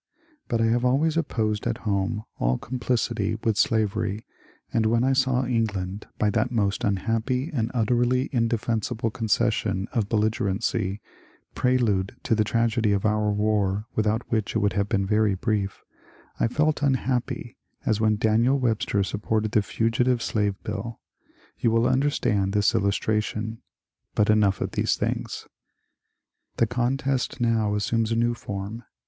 But I have always opposed at home all complicity with 92 MONCURE DANIEL CONWAY slavery, and when I saw England, by that most unhappy and utterly indefensible concession of belligerency — prelude to the tragedy of our war without which it would have been very brief — I felt unhappy as when Daniel Webster supported the Fugitive Slave Bill. You will understand this illustration. But enough of these things. The contest now assumes a new form.